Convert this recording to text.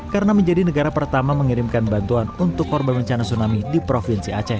karena menjadi negara pertama mengirimkan bantuan untuk korban bencana tsunami di provinsi aceh